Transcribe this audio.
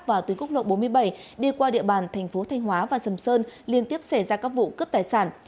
và tuyến cúc lộ bốn mươi bảy đi qua địa bàn tp thanh hóa và sầm sơn liên tiếp xảy ra các vụ cướp tài sản